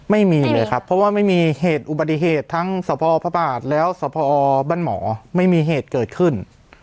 ไม่มีเลยครับเพราะว่าไม่มีเหตุอุบัติเหตุทั้งสพพระบาทแล้วสพบ้านหมอไม่มีเหตุเกิดขึ้น